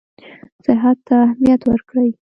صحت ته اهمیت ورکړي.